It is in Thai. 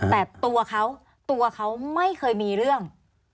แต่ตัวเขาตัวเขาไม่เคยมีเรื่อง